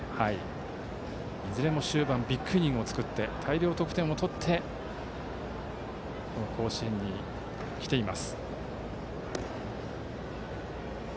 いずれも終盤ビッグイニングを作って大量得点をして甲子園に来ています。